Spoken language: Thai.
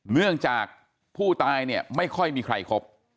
เนื่องจากผู้ตายเนี่ยไม่ค่อยมีใครคบ